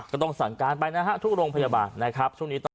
ก็ต้องสั่งการไปนะฮะทุกโรงพยาบาลนะครับ